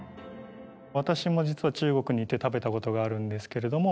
私も実は中国に行って食べたことがあるんですけれども。